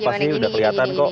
apa apa sih udah kelihatan kok